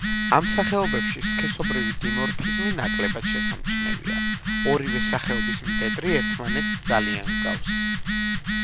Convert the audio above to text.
ამ სახეობებში სქესობრივი დიმორფიზმი ნაკლებად შესამჩნევია, ორივე სახეობის მდედრი ერთმანეთს ძალიან გავს.